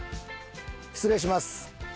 失礼します。